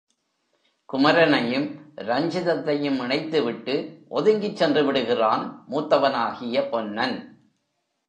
குமரனையும் ரஞ்சிதத்தையும் இணைத்து விட்டு ஒதுங்கிச் சென்றுவிடுகிறான், மூத்தவனாகிய பொன்னன்!